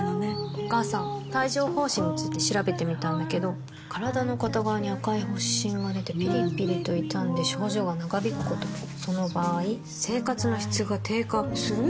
お母さん帯状疱疹について調べてみたんだけど身体の片側に赤い発疹がでてピリピリと痛んで症状が長引くこともその場合生活の質が低下する？